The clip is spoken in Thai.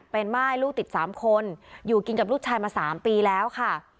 เป็นม่ายลูกติด๓คนอยู่กินกับลูกชายมา๓ปีแล้วค่ะ